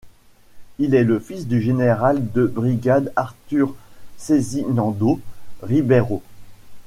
Il est le fils du général de brigade Artur Sesinando Ribeiro.